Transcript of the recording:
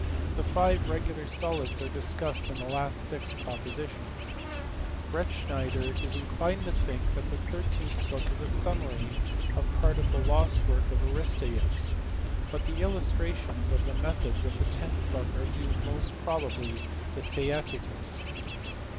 The five regular solids are discussed in the last six propositions. Bretschn eider is inclined to think that the thirteenth book is a summary of part of the lost work of Aristaeus : but the illustrations of the methods of the tenth book are due most probably to Theaetetus.